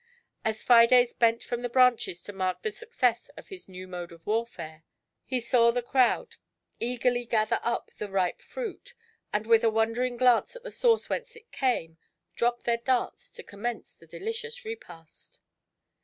As Fides bent from the branches to mark the success of his new mode of warfare, he saw the crowd eagerly ion GIANT HATE. gather up the ripe fi uit, and, with a wondering glance at the source whence it came, drop their darts to com mence their delicious repast.